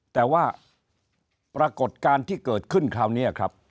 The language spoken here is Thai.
แต่ว่าปรากฏการณ์ที่เกิดขึ้นคราวนี้ครับ